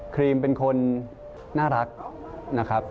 ครีมเป็นคนน่ารักนะครับ